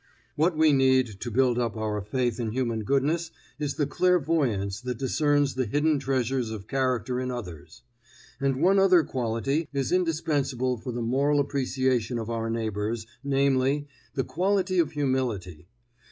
What we need to build up our faith in human goodness is the clairvoyance that discerns the hidden treasures of character in others. And one other quality is indispensable for the moral appreciation of our neighbors, namely, the quality of humility.